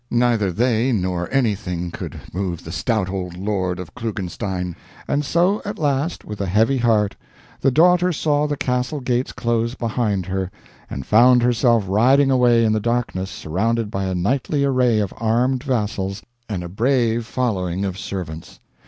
Neither they nor anything could move the stout old lord of Klugenstein. And so, at last, with a heavy heart, the daughter saw the castle gates close behind her, and found herself riding away in the darkness surrounded by a knightly array of armed vassals and a brave following of servants.